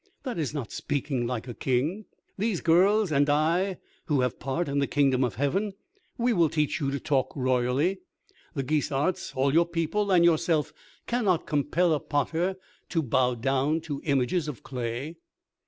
That is not speaking like a King. These girls and I, who have part in the kingdom of heaven, we will teach you to talk royally. The Guisarts, all your people, and yourself, cannot compel a potter to bow down to images of clay."